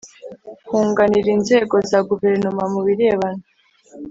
kunganira inzego za Guverinoma mu birebana